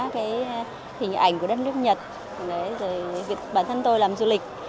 cái hình ảnh của đất nước nhật bản thân tôi làm du lịch